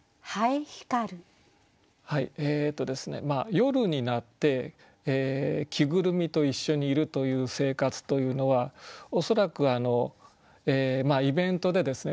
夜になって着ぐるみと一緒にいるという生活というのは恐らくイベントでですね